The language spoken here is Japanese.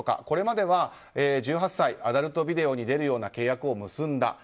これまでは１８歳、アダルトビデオに出るような契約を結んだ。